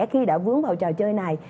khi đã vướng vào trò chơi này